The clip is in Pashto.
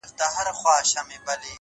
• اوس هره شپه خوب کي بلا وينمه؛